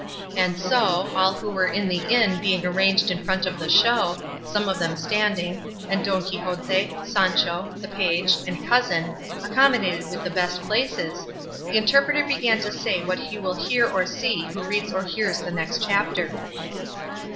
And so, all who were in the inn being arranged in front of the show, some of them standing, and Don Quixote, Sancho, the page, and cousin, accommodated with the best places, the interpreter began to say what he will hear or see who reads or hears the next chapter.